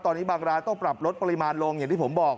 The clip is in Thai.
ตอนนี้บางร้านต้องปรับลดปริมาณลงอย่างที่ผมบอก